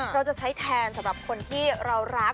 เราจะใช้แทนสำหรับคนที่เรารัก